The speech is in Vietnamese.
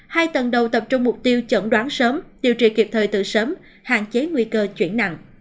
hai tầng đầu tập trung mục tiêu chẩn đoán sớm điều trị kịp thời từ sớm hạn chế nguy cơ chuyển nặng